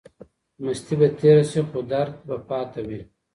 مستی به تیره سي خو درد به پاتې وي.